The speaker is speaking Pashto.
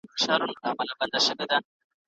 ذهني فشار خبرې غواړي.